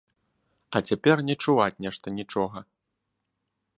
А цяпер не чуваць нешта нічога.